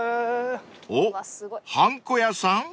［おっはんこ屋さん？］